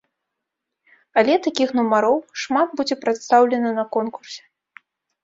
Але такіх нумароў шмат будзе прадстаўлена на конкурсе.